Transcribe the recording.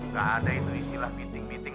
keadaan itu isilah meeting meeting